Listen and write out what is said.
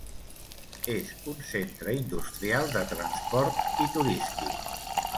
És un centre industrial, de transport i turístic.